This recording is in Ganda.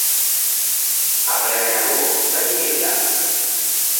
Abalala nabo balina ebyabwe.